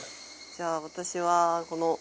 じゃあ私はこの。